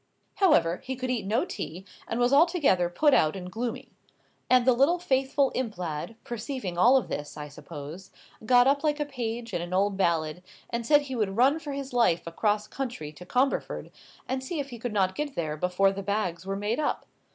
However, he could eat no tea, and was altogether put out and gloomy. And the little faithful imp lad, perceiving all this, I suppose, got up like a page in an old ballad, and said he would run for his life across country to Comberford, and see if he could not get there before the bags were made up.